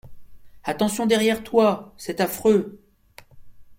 Attention derrière toi, c'est affreux!